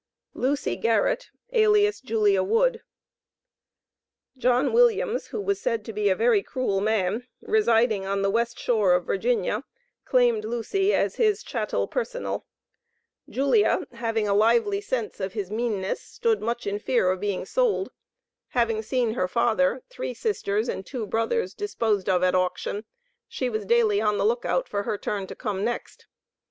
LUCY GARRETT, alias JULIA WOOD. John Williams, who was said to be a "very cruel man," residing on the Western Shore of Va., claimed Lucy as his chattel personal. Julia, having a lively sense of his meanness stood much in fear of being sold; having seen her father, three sisters, and two brothers, disposed of at auction, she was daily on the look out for her turn to come next.